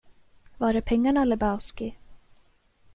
Var är pengarna, Lebowski?